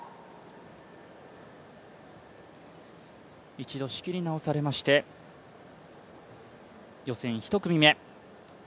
一度仕切り直されまして、予選１組目。